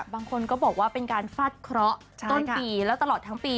บางคนก็บอกว่าเป็นการฟาดเคราะห์ต้นปีแล้วตลอดทั้งปี